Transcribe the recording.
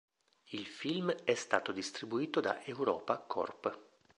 Il film è stato distribuito da Europa Corp.